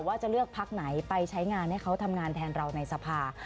ว่าจะเลือกพักไหนไปใช้งานให้เขาทำงานแทนเราในสภา